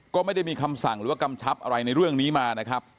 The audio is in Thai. ก็ไม่ได้มีคำสั่งหรือว่ากำชับอะไรในเรื่องนี้มานะครับ